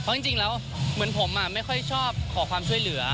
เพราะจริงแล้วเหมือนผมไม่ค่อยชอบขอความช่วยเหลือ